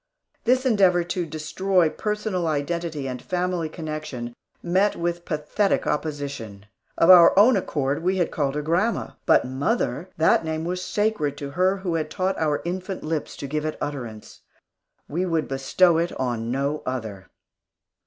This endeavor to destroy personal identity and family connection, met with pathetic opposition. Of our own accord, we had called her grandma. But "mother" that name was sacred to her who had taught our infant lips to give it utterance! We would bestow it on no other.